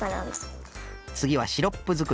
つぎはシロップづくりね。